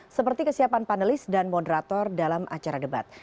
seperti kesiapan panelis dan moderator dalam acara debat